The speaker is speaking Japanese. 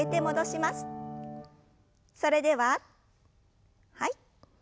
それでははい。